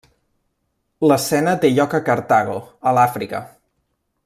L'escena té lloc a Cartago a l'Àfrica.